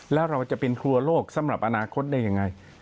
แล้วเราจะเป็นครัวโลกสำหรับอนาคตได้ยังไง